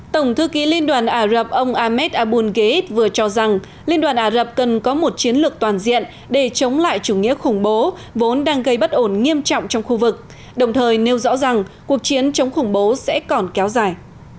tổng thư ký liên đoàn ả rập ông ahmed abulgeid vừa cho rằng liên đoàn ả rập cần có một chiến lược toàn diện để chống lại chủ nghĩa khủng bố vốn đang gây bất ổn nghiêm trọng trong khu vực đồng thời nêu rõ rằng cuộc chiến chống khủng bố sẽ còn kéo dài